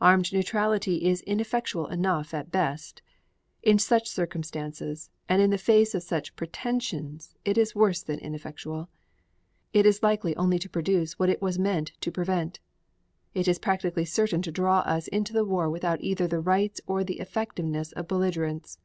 Armed neutrality is ineffectual enough at best; in such circumstances and in the face of such pretensions it is worse than ineffectual: it is likely only to produce what it was meant to prevent; it is practically certain to draw us into the war without either the rights or the effectiveness of belligerents.